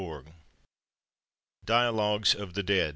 ac.uk DIALOGUES OF THE DEAD.